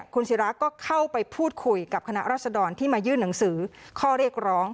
คุณศิราก็เข้าไปพูดคุยกับคณะรัศดรที่มายื่นหนังสือข้อเรียกร้อง